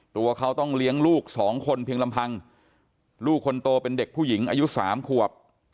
ตัวเขาต้องเลี้ยงลูกสองคนเพียงลำพังลูกคนโตเป็นเด็กผู้หญิงอายุ๓ขวบ